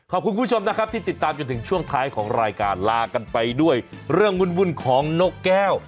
คุณผู้ชมนะครับที่ติดตามจนถึงช่วงท้ายของรายการลากันไปด้วยเรื่องวุ่นของนกแก้ว